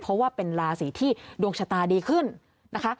เพราะว่าเป็นราศีที่ดวงชะตาดีขึ้นนะคะ